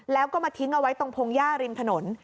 แล้วก็มาทิ้งเอาไว้ตรงพงหญ้าริมถนน